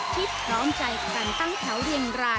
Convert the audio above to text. ที่พร้อมใจกันตั้งแถวเรียงราย